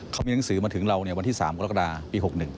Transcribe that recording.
เขามีหนังสือมาถึงเราวันที่๓กรกฎาปี๖๑